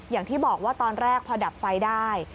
อย่างที่บอกว่าตอนแรกพอดับไฟได้